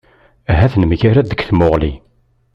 Ahat nemgarad deg tamuɣli?